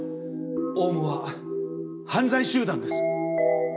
オウムは犯罪集団です。